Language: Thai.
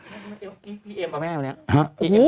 ที่มก็แม่ไงวันนี้